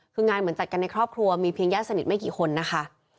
คืองานเหมือนจัดกันในครอบครัวมีเพียงญาติสนิทไม่กี่คนนะคะ